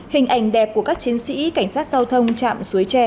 hình ảnh đẹp của các chiến sĩ cảnh sát giao thông chạm suối tre